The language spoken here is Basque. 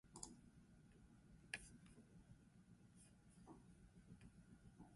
Pinu kaskabeltzak hainbat azpiespezie ditu.